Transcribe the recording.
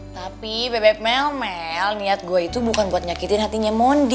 tapi bebek melmel niat gue itu bukan buat nyakitin hatinya mondi